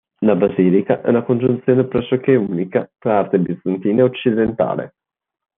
La basilica è una congiunzione pressoché unica tra arte bizantina e occidentale.